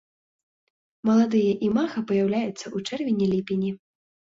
Маладыя імага паяўляюцца ў чэрвені-ліпені.